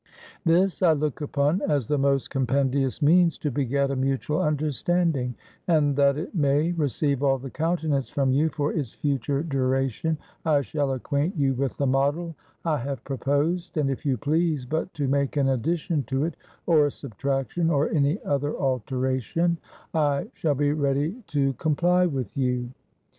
This I look upon as the most compendious means to beget a mutual understanding; and that it may receive all the countenance from you for its future duration, I shall acquaint you with the model I have proposed; and if you please but to make an addition to it, or subtraction, or any other alteration, I shall be ready to comply with you.